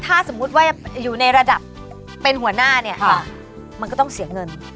ถ้าสมมติว่าอยู่ในระดับเป็นหัวหน้าเนี่ย